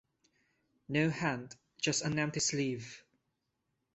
No hand — just an empty sleeve.